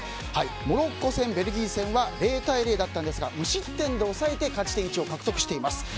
モロッコ戦、ベルギー戦は０対０だったんですが無失点で抑えて勝ち点１を獲得しています。